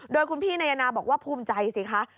โดยคุณพี่นายนาบอกว่าภูมิใจสิคะ